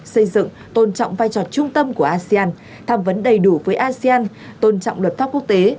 xây dựng tôn trọng vai trò trung tâm của asean tham vấn đầy đủ với asean tôn trọng luật pháp quốc tế